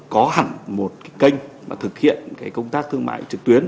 có hẳn một kênh thực hiện công tác thương mại trực tuyến